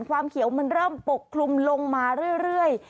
ความเขียวมันเริ่มปกคลุมลงมาเรื่อย